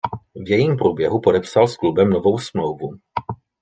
V jejím průběhu podepsal s klubem novou smlouvu.